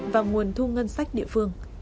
và nguồn thu ngân sách địa phương